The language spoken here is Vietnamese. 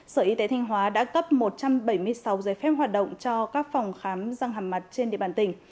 sở y tế thanh hóa đã cấp một trăm bảy mươi sáu giấy phép hoạt động cho các phòng khám răng hàm mặt trên địa bàn tỉnh